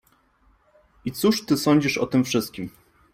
I cóż ty sądzisz o tym wszystkim?